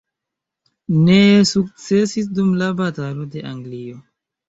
Ne sukcesis dum la batalo de Anglio.